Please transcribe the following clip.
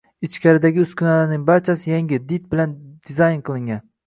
Ichkaridagi uskunalar barchasi yangi, did bilan dizayn qilingan.